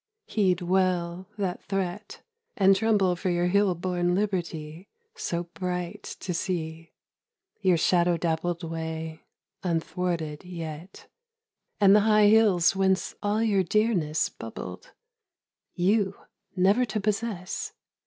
Heed well that threat; And tremble for your hill born liberty So bright to see! Your shadow dappled way, unthwarted yet, And the high hills whence all your dearness bubbled; You, never to possess!